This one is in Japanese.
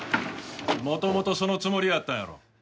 元々そのつもりやったんやろ。